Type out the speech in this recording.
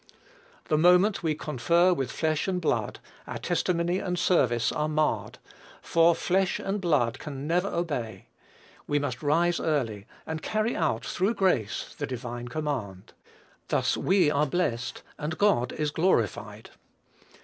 The moment we confer with flesh and blood, our testimony and service are marred, for flesh and blood can never obey. We must rise early, and carry out, through grace, the divine command. Thus we are blessed, and God is glorified.